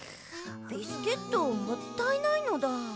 ビスケットもったいないのだ。